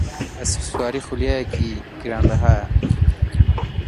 ئەسپسواری خولیایەکی گرانبەهایە.